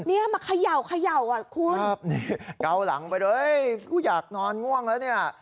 เนี่ยมาเขย่าเขย่าอ่ะคุณครับนี่เกาหลังไปเลยกูอยากนอนง่วงแล้วเนี่ย